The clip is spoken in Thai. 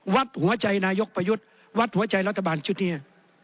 วัดหัวใจนายกประยุทธ์วัดหัวใจรัฐบาลชุดนี้